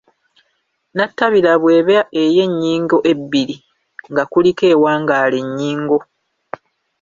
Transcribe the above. nnatabira bw’eba ey’ennyingo ebbiri nga kuliko ewangaala ennyingo